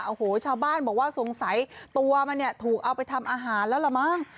โอ้โหชาวบ้านบอกว่าสงสัยตัวมันเนี่ยถูกเอาไปทำอาหารแล้วล่ะมั้ง